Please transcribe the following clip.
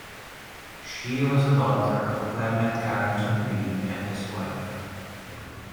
She was the daughter of Clement Carrington Read and his wife.